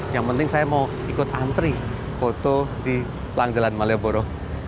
yang penting saya mau ikut antri foto di pelang jalan malioboro